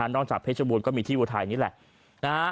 จากเพชรบูรณก็มีที่อุทัยนี่แหละ